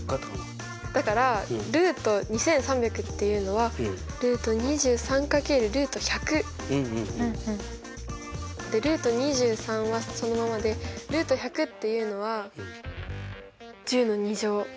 だからルート２３００っていうのはでルート２３はそのままでルート１００っていうのは１０の２乗。